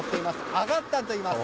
アガッタンといいます。